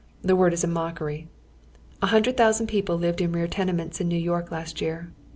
The word is a mockery. A hundred thousaiid people lived in rear tenements in Xew York last year.